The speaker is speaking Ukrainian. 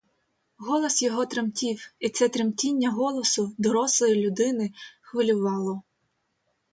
Голос його тремтів, і це тремтіння голосу дорослої людини хвилювало.